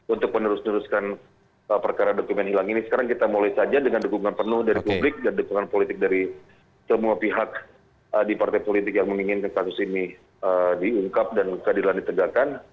untuk menerus meneruskan perkara dokumen hilang ini sekarang kita mulai saja dengan dukungan penuh dari publik dan dukungan politik dari semua pihak di partai politik yang menginginkan kasus ini diungkap dan keadilan ditegakkan